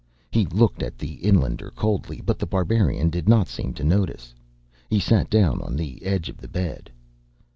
He looked at the inlander coldly, but The Barbarian did not seem to notice. He sat down on the edge of the bed.